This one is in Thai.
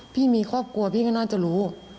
พี่มีครอบครัวพี่ก็น่าจะรู้